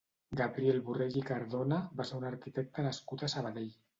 Gabriel Borrell i Cardona va ser un arquitecte nascut a Sabadell.